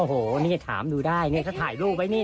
โอ้โหนี่ถามดูได้เขาถ่ายรูปไปนี่